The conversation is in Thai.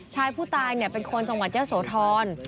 ชายผู้ตายเป็นคนจังหวัดเยอะโสธร